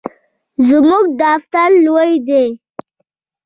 زموږ دفتر لوی دی